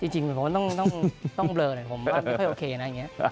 จริงผมต้องเบลอผมไม่ค่อยโอเคนะ